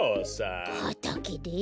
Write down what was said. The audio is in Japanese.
はたけで？